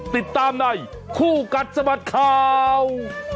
ติดตามในคู่กัดสะบัดข่าว